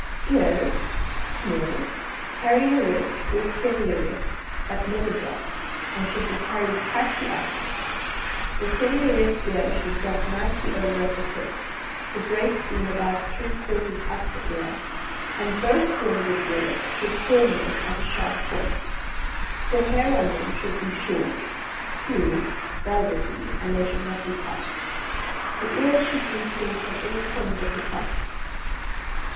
EARS Small, carried erect or semi erect, but never drop, and should be carried tightly up. The semi erect ear should drop nicely over at the tips, the break being about three quarters up the ear, and both forms of ears should terminate in a sharp point. The hair on them should be short, smooth (velvety), and they should not be cut. The ears should be free from any fringe at the top.